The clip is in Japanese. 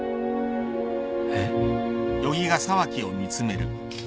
えっ？